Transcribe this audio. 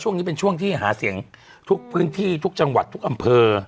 ช่วงนี้เป็นช่วงที่หาเสียงทุกพื้นที่ทุกจังหวัดทุกอำเภอ